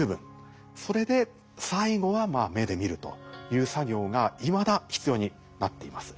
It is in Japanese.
それで最後は目で見るという作業がいまだ必要になっています。